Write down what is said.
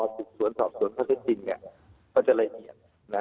พอส่วนสอบส่วนข้อเท็จจริงก็จะละเอียด